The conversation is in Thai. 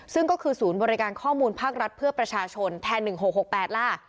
ซึ่งก็คือศูนย์บริการข้อมูลภาครัฐเพื่อประชาชนแทน๑๖๖๘ล่ะ